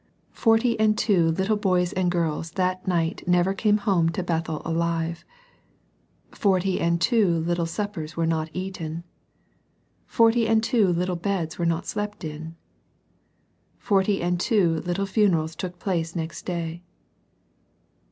Forty and two little boys and girls that night never came home to Bethel alive. Forty and two little suppers were not eaten ! Forty and two Httle beds were not slept in ! Forty and two little funerals took place next day